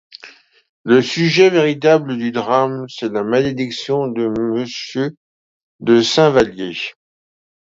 Le sujet véritable du drame, c’est la malédiction de Monsieur de Saint-Vallier.